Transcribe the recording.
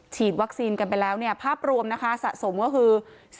ฉีดวัคซีนกันไปแล้วภาพรวมสะสมก็คือ